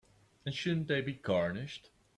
And shouldn't they be garnished?